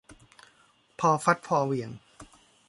พอฟัดพอเหวี่ยง